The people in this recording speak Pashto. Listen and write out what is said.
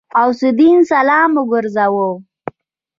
غوث الدين سلام وګرځاوه.